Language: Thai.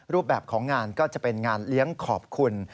รูปแบบของงานก็จะเป็นงานเลี้ยงขอบคุณ